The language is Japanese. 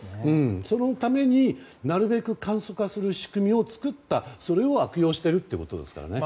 そのために、なるべく簡素化する仕組みを作ったそれを悪用しているってことですからね。